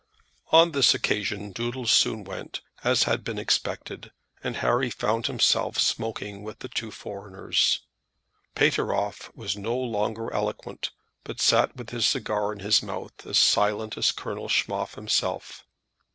On this occasion Doodles soon went, as had been expected, and Harry found himself smoking with the two foreigners. Pateroff was no longer eloquent, but sat with his cigar in his mouth as silent as Colonel Schmoff himself.